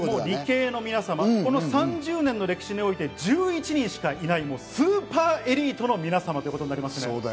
理系の皆様、３０年の歴史において１１人しかいないスーパーエリートの皆様ということになります。